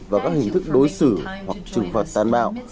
và các hình thức đối xử hoặc trừng phạt san bạo